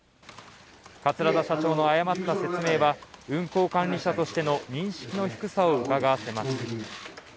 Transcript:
桂田社長の誤った説明は運航管理者としての認識の低さをうかがわせます。